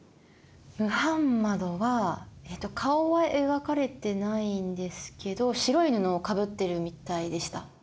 ムハンマドは顔は描かれてないんですけど白い布をかぶってるみたいでした。